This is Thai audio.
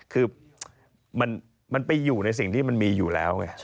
คือมันไปอยู่ในสิ่งที่มันมีอยู่แล้วไง